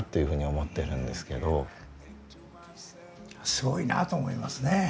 すごいなと思いますね。